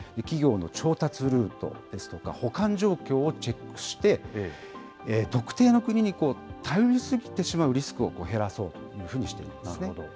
企業の調達ルートですとか、保管状況をチェックして、特定の国に頼りすぎてしまうリスクを減らそうというふうにしているんですね。